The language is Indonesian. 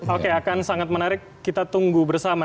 oke akan sangat menarik kita tunggu bersama